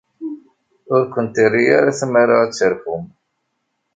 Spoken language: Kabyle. Ur ken-terri ara tmara ad terfum.